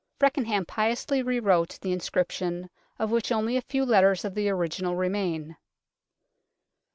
Feckenham piously rewrote the in scription, of which only a few letters of the original remain.